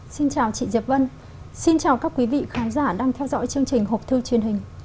xin chào chị diệp vân xin chào các quý vị khán giả đang theo dõi chương trình hộp thư truyền hình